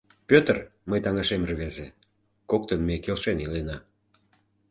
Пӧтыр мый таҥашем рвезе, коктын ме келшен илена.